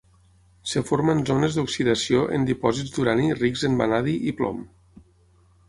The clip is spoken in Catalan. Es forma en zones d’oxidació en dipòsits d’urani rics en vanadi i plom.